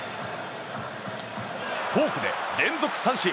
フォークで連続三振！